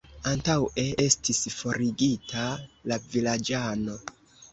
Antaŭe estis forigita la vilaĝano.